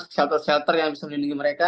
shelter shelter yang bisa melindungi mereka